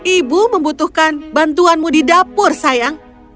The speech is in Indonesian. ibu membutuhkan bantuanmu di dapur sayang